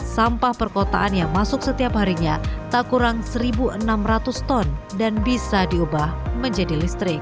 sampah perkotaan yang masuk setiap harinya tak kurang satu enam ratus ton dan bisa diubah menjadi listrik